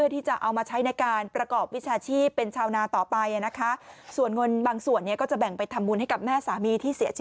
ดีใจกับท่านนี้มากเลย